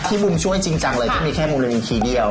ที่บุญช่วยจริงจังเลยก็มีแค่มูลนัดนิยมคีย์เดียว